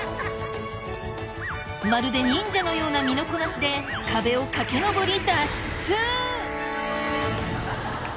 まるで忍者のような身のこなしで壁を駆け上り。